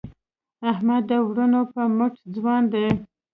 احمد د وروڼو په مټ ځوان دی.